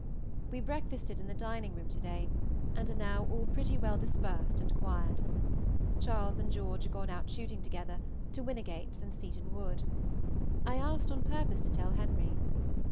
We breakfasted in the dining room to day, and are now all pretty well dispersed and quiet. Charles and George are gone out shooting together, to Winnigates and Seaton Wood. I asked on purpose to tell Henry.